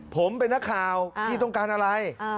ผมเป็นนักข่าวพี่ต้องการอะไร